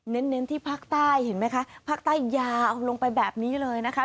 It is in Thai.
เน้นที่ภาคใต้เห็นไหมคะภาคใต้ยาวลงไปแบบนี้เลยนะคะ